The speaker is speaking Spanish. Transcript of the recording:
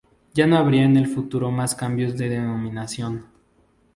Ya no habría en el futuro más cambios de denominación.